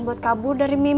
buat kabur dari rumah maeros